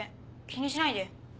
気にしないで。